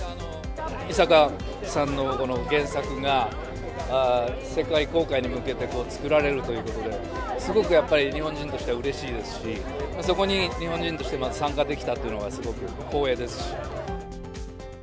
伊坂さんのこの原作が、世界公開に向けて作られるということで、すごくやっぱり日本人としてうれしいですし、そこに日本人として参加できたっていうのがすごく光栄です。